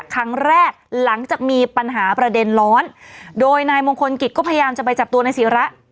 ครั้งแรกหลังจากมีปัญหาประเด็นร้อนโดยนายมงคลกิจก็พยายามจะไปจับตัวนายศิระ